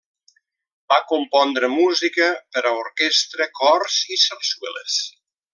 Va compondre música per a orquestra, cors, i sarsueles.